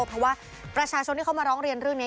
เพราะว่าประชาชนที่เขามาร้องเรียนเรื่องนี้